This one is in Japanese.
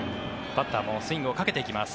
バッターもスイングをかけていきます。